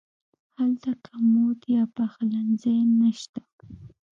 هلته کمود یا پخلنځی نه شته.